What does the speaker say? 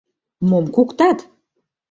Мом куктат?